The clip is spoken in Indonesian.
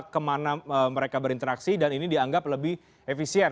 kemana mereka berinteraksi dan ini dianggap lebih efisien